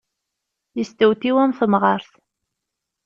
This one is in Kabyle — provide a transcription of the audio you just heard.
Yestewtiw am temɣart.